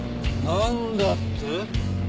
なんだって？